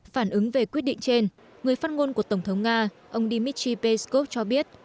phản ứng về quyết định trên người phát ngôn của tổng thống nga ông dmitry peskov cho biết